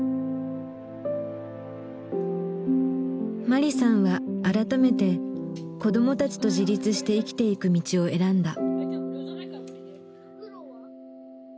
マリさんは改めて子どもたちと自立して生きていく道を選んだ。